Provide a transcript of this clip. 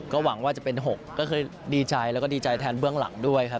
หวังว่าจะเป็น๖ก็คือดีใจแล้วก็ดีใจแทนเบื้องหลังด้วยครับ